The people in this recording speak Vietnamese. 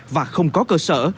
và không có cơ sở